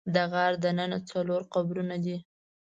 د غار دننه څلور قبرونه دي.